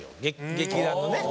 劇団のね。